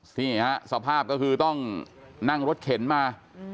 นี่ฮะสภาพก็คือต้องนั่งรถเข็นมา